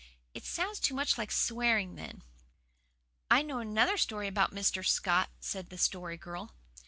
It sounds too much like swearing then." "I know another story about Mr. Scott," said the Story Girl.